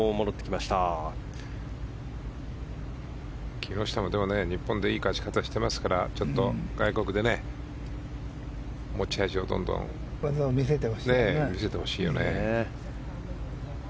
木下も日本でいい勝ち方してますから外国で持ち味を見せてほしいよね。